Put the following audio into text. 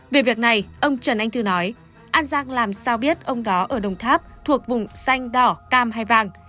về việc này ông trần anh thư nói an giang làm sao biết ông đó ở đồng tháp thuộc vùng xanh đỏ cam hay vàng